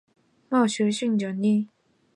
马夫雷库尔。